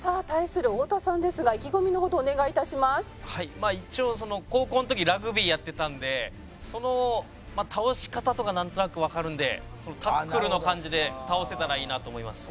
まあ一応高校の時ラグビーやってたんでその倒し方とかなんとなくわかるんでタックルの感じで倒せたらいいなと思います。